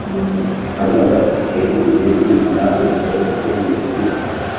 abazaba basigaye mu gihugu. Ibyahanuwe kuri Misiri